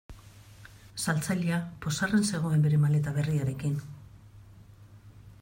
Saltzailea pozarren zegoen bere maleta berriarekin.